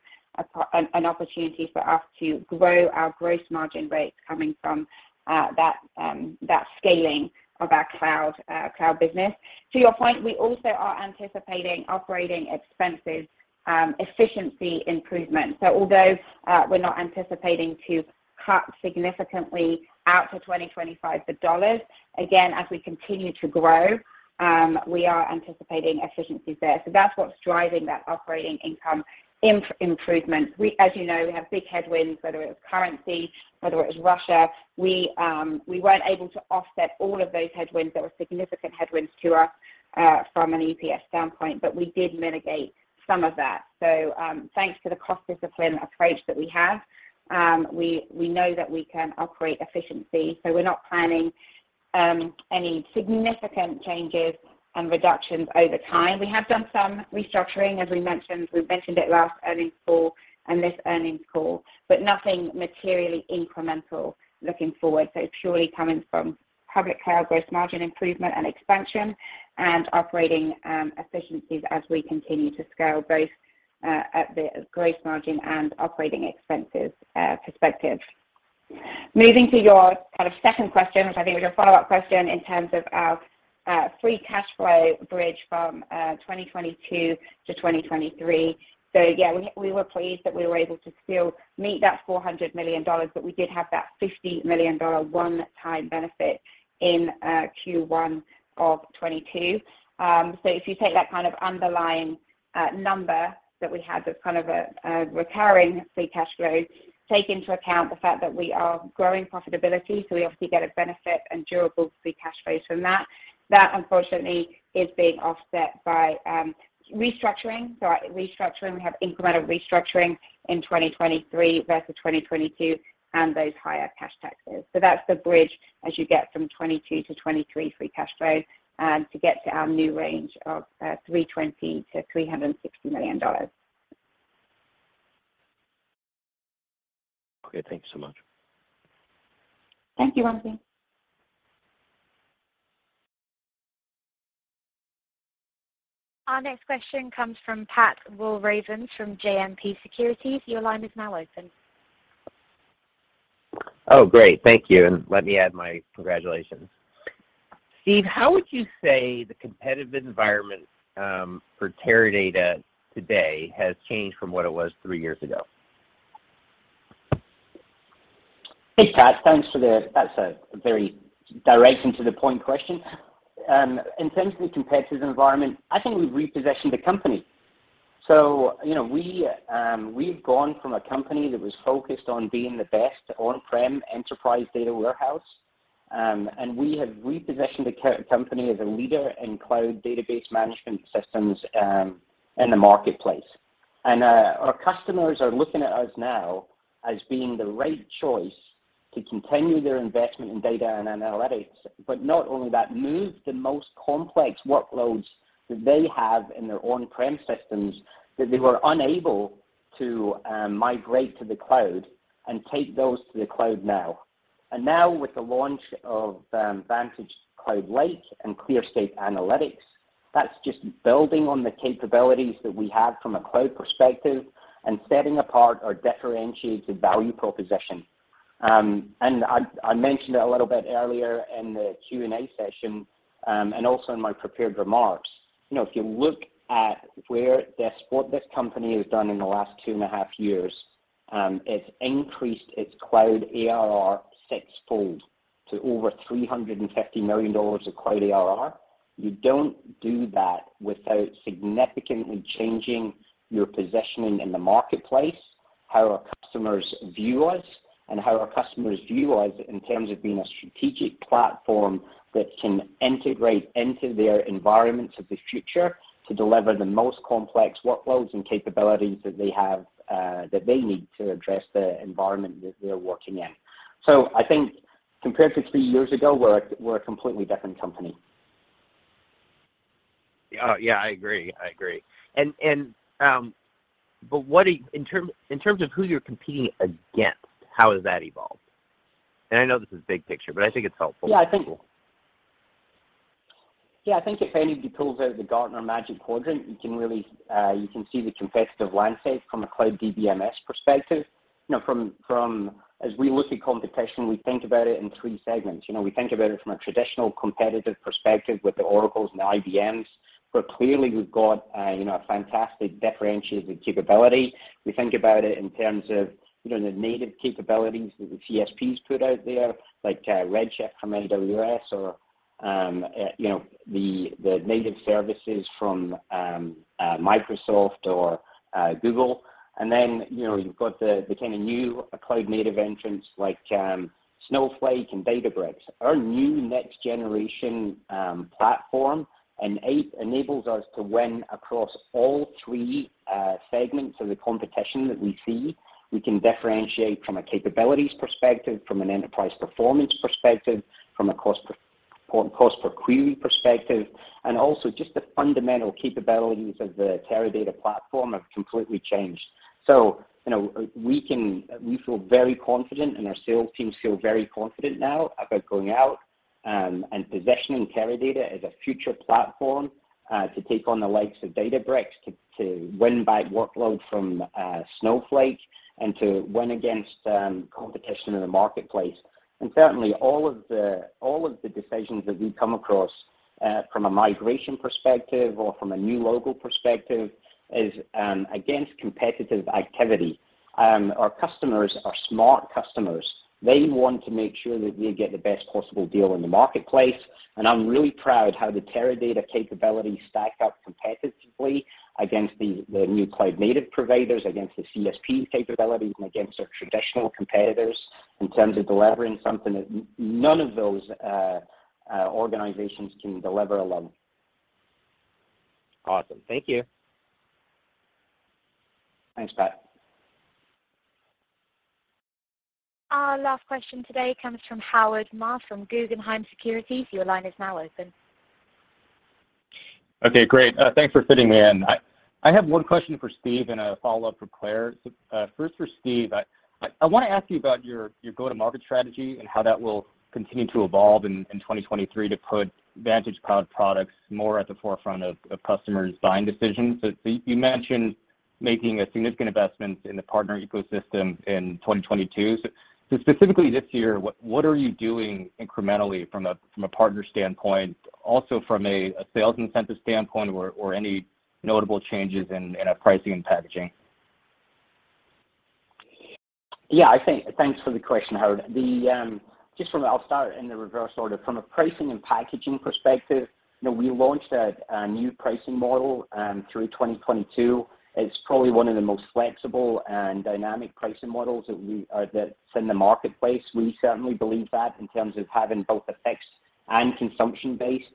an opportunity for us to grow our gross margin rates coming from that scaling of our cloud business. To your point, we also are anticipating operating expenses efficiency improvement. Although, we're not anticipating to cut significantly out to 2025 the dollars, again, as we continue to grow, we are anticipating efficiencies there. That's what's driving that operating income improvement. As you know, we have big headwinds, whether it was currency, whether it was Russia. We weren't able to offset all of those headwinds that were significant headwinds to us from an EPS standpoint, but we did mitigate some of that. Thanks to the cost discipline approach that we have, we know that we can operate efficiency. We're not planning any significant changes and reductions over time. We have done some restructuring, as we mentioned. We've mentioned it last earnings call and this earnings call, but nothing materially incremental looking forward. Purely coming from public cloud gross margin improvement and expansion and operating efficiencies as we continue to scale both at the gross margin and operating expenses perspective. Moving to your kind of second question, which I think was your follow-up question in terms of our free cash flow bridge from 2022 to 2023. Yeah, we were pleased that we were able to still meet that $400 million, but we did have that $50 million one-time benefit in Q1 of 2022. If you take that kind of underlying number that we had, the kind of a recurring free cash flow, take into account the fact that we are growing profitability, we obviously get a benefit and durable free cash flow from that. That unfortunately is being offset by restructuring. Our restructuring, we have incremental restructuring in 2023 versus 2022 and those higher cash taxes. That's the bridge as you get from 2022 to 2023 free cash flow, and to get to our new range of $320 million-$360 million. Okay. Thank you so much. Thank you, Wamsi. Our next question comes from Pat Walravens from JMP Securities. Your line is now open. Oh, great. Thank you. Let me add my congratulations. Steve, how would you say the competitive environment for Teradata today has changed from what it was three years ago? Hey, Pat. That's a very direct and to the point question. In terms of the competitive environment, I think we've repositioned the company. You know, we've gone from a company that was focused on being the best on-prem enterprise data warehouse, we have repositioned the company as a leader in cloud database management systems in the marketplace. Our customers are looking at us now as being the right choice to continue their investment in data and analytics, but not only that, move the most complex workloads that they have in their on-prem systems that they were unable to migrate to the cloud and take those to the cloud now. Now with the launch of VantageCloud Lake and ClearScape Analytics, that's just building on the capabilities that we have from a cloud perspective and setting apart our differentiated value proposition. I mentioned it a little bit earlier in the Q&A session, also in my prepared remarks, you know, if you look at what this company has done in the last two and a half years, it's increased its cloud ARR sixfold to over $350 million of cloud ARR. You don't do that without significantly changing your positioning in the marketplace, how our customers view us, and how our customers view us in terms of being a strategic platform that can integrate into their environments of the future to deliver the most complex workloads and capabilities that they have, that they need to address the environment that they're working in. I think compared to three years ago, we're a completely different company. Oh, yeah, I agree. I agree. And in terms of who you're competing against, how has that evolved? I know this is big picture, but I think it's helpful. Yeah, I think if anybody pulls out the Gartner Magic Quadrant, you can really, you can see the competitive landscape from a cloud DBMS perspective. You know, as we look at competition, we think about it in three segments. You know, we think about it from a traditional competitive perspective with the Oracle and the IBMs, where clearly we've got a, you know, a fantastic differentiated capability. We think about it in terms of, you know, the native capabilities that the CSPs put out there, like Redshift from AWS or, you know, the native services from Microsoft or Google. You know, you've got the kind of new cloud native entrants like Snowflake and Databricks. Our new next generation platform enables us to win across all three segments of the competition that we see. We can differentiate from a capabilities perspective, from an enterprise performance perspective, from a cost per query perspective, and also just the fundamental capabilities of the Teradata platform have completely changed. You know, we feel very confident and our sales teams feel very confident now about going out and positioning Teradata as a future platform to take on the likes of Databricks, to win back workload from Snowflake, and to win against competition in the marketplace. Certainly all of the decisions that we come across from a migration perspective or from a new logo perspective is against competitive activity. Our customers are smart customers. They want to make sure that they get the best possible deal in the marketplace. I'm really proud how the Teradata capabilities stack up competitively against the new cloud native providers, against the CSP capabilities, and against our traditional competitors in terms of delivering something that none of those organizations can deliver alone. Awesome. Thank you. Thanks, Pat. Our last question today comes from Howard Ma from Guggenheim Securities. Your line is now open. Great. Thanks for fitting me in. I have one question for Steve and a follow-up for Claire. First for Steve. I wanna ask you about your go-to-market strategy and how that will continue to evolve in 2023 to put VantageCloud products more at the forefront of customers' buying decisions. You mentioned making a significant investment in the partner ecosystem in 2022. Specifically this year, what are you doing incrementally from a partner standpoint, also from a sales incentive standpoint or any notable changes in our pricing and packaging? Thanks for the question, Howard. I'll start in the reverse order. From a pricing and packaging perspective, you know, we launched a new pricing model through 2022. It's probably one of the most flexible and dynamic pricing models that we that's in the marketplace. We certainly believe that in terms of having both a fixed and consumption-based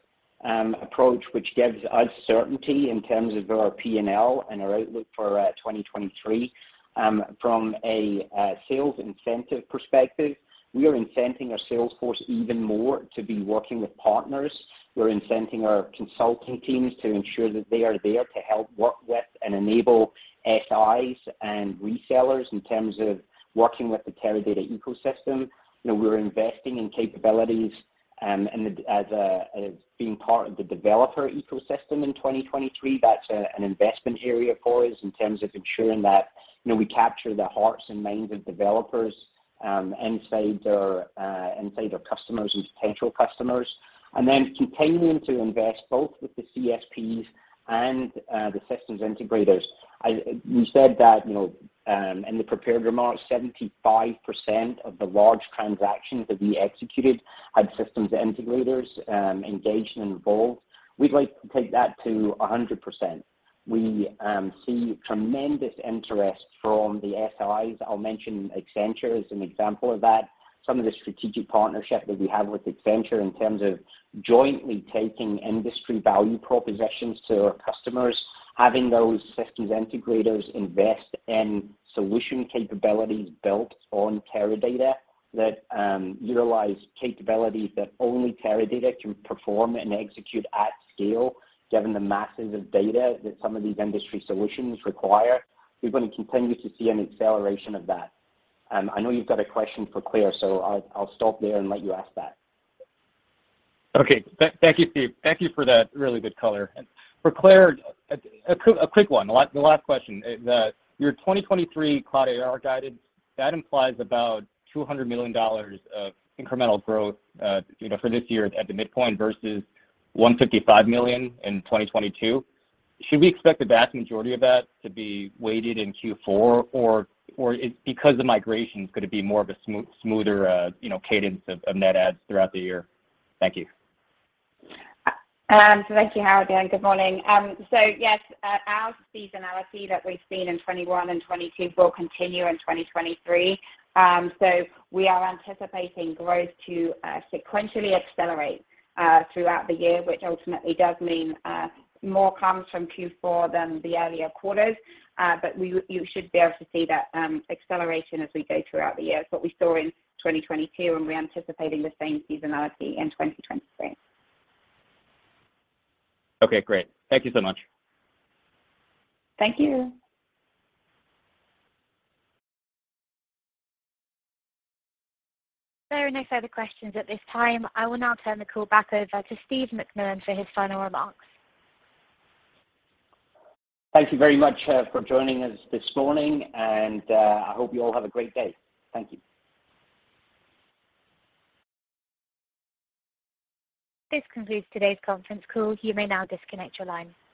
approach, which gives us certainty in terms of our P&L and our outlook for 2023. From a sales incentive perspective, we are incenting our sales force even more to be working with partners. We're incenting our consulting teams to ensure that they are there to help work with and enable SIs and resellers in terms of working with the Teradata ecosystem. You know, we're investing in capabilities, as being part of the developer ecosystem in 2023. That's an investment area for us in terms of ensuring that, you know, we capture the hearts and minds of developers inside their customers and potential customers, and then continuing to invest both with the CSPs and the systems integrators. We said that, you know, in the prepared remarks, 75% of the large transactions that we executed had systems integrators engaged and involved. We'd like to take that to 100%. We see tremendous interest from the SIs. I'll mention Accenture as an example of that. Some of the strategic partnership that we have with Accenture in terms of jointly taking industry value propositions to our customers, having those system integrators invest in solution capabilities built on Teradata that utilize capabilities that only Teradata can perform and execute at scale, given the masses of data that some of these industry solutions require. We're gonna continue to see an acceleration of that. I know you've got a question for Claire, so I'll stop there and let you ask that. Okay. Thank you, Steve. Thank you for that really good color. For Claire, a quick one, the last question. Your 2023 cloud ARR guidance, that implies about $200 million of incremental growth, you know, for this year at the midpoint versus $155 million in 2022. Should we expect the vast majority of that to be weighted in Q4? Because the migration's gonna be more of a smoother, you know, cadence of net adds throughout the year. Thank you. Thank you, Howard, and good morning. Yes, our seasonality that we've seen in 2021 and 2022 will continue in 2023. We are anticipating growth to sequentially accelerate throughout the year, which ultimately does mean more comes from Q4 than the earlier quarters. You should be able to see that acceleration as we go throughout the year. It's what we saw in 2022, and we're anticipating the same seasonality in 2023. Okay, great. Thank you so much. Thank you. There are no further questions at this time. I will now turn the call back over to Steve McMillan for his final remarks. Thank you very much for joining us this morning, and I hope you all have a great day. Thank you. This concludes today's conference call. You may now disconnect your line.